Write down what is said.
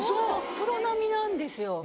プロ並みなんですよ